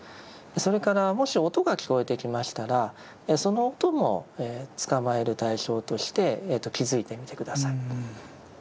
それからもし音が聞こえてきましたらその音もつかまえる対象として気づいてみて下さい。